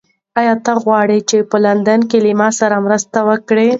ایا ته غواړې چې په لندن کې له ما سره مرسته وکړې؟